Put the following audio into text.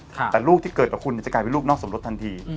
แต่ลูกที่เกิดกับคุณจะกลายเป็นลูกนอกสมรสทันที